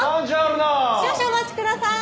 少々お待ちください。